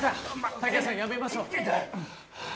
滝川さんやめましょう。